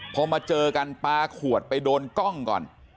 พอมาเจอกันปลาขวดไปโดนกล้องก่อน